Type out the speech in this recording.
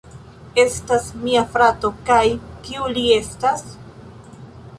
Estas mia frato kaj... kiu li estas?